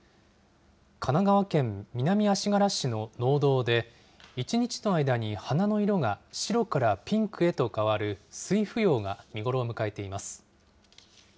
神奈川県南足柄市の農道で、１日の間に花の色が白からピンクへと変わる酔芙蓉が見頃を迎えています。